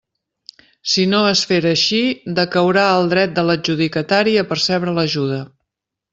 Si no es fera així, decaurà el dret de l'adjudicatari a percebre l'ajuda.